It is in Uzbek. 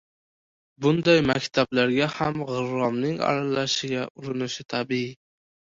Bunday maktablarga ham g‘irromning aralashishiga urinishi tabiiy.